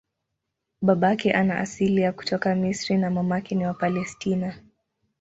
Babake ana asili ya kutoka Misri na mamake ni wa Palestina.